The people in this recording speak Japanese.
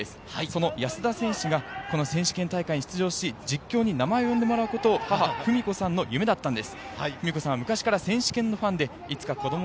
安田選手が選手権大会に出場し、実況に名前を呼んでもらろうことが母・ふみこさんの夢だったんです。